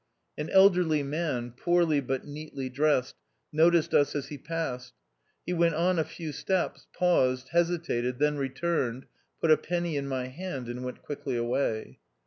An elderly man, poorly but neatly dressed, noticed us as he passed ; he went on a few steps, paused, hesitated, then returned, put a penny in my hand, and went quickly away.